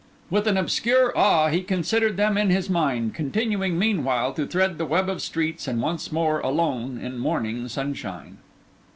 With an obscure awe he considered them in his mind, continuing, meanwhile, to thread the web of streets, and once more alone in morning sunshine.